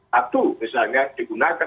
tatu misalnya digunakan